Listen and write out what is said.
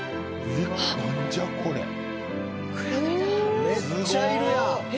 めっちゃいるやん！